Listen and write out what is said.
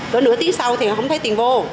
có nửa tí sau thì nó không thấy tiền vô